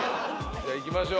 じゃあ行きましょう。